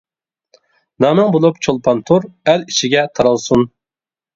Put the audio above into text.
نامىڭ بولۇپ چولپان تور، ئەل ئىچىگە تارالسۇن.